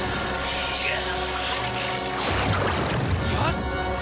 よし！